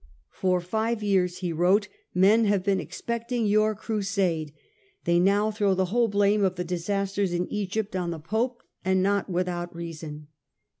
" For five years," he wrote, 68 STUPOR MUNDI " men have been expecting your Crusade ; they now throw the whole blame of the disasters in Egypt on the Pope, and not without reason.